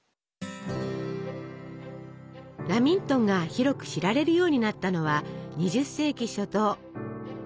ラミントンが広く知られるようになったのは２０世紀初頭。